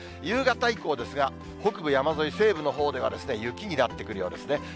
夕方以降ですが、北部山沿い、西部のほうでは、雪になってくるようですね。